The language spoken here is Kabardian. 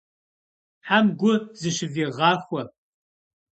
Тхьэм гу зэщывигъахуэ.